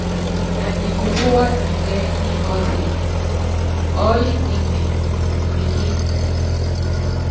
Anyi kupúwá nikɛɛ́ nikɔ́si, ɔɔ́yikini mélíkí.